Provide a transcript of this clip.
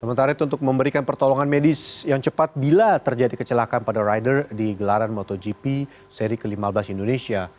sementara itu untuk memberikan pertolongan medis yang cepat bila terjadi kecelakaan pada rider di gelaran motogp seri ke lima belas indonesia